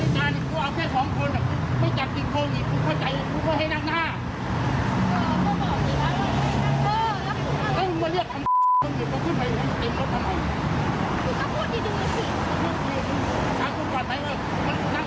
ตรงนี้ล่ะ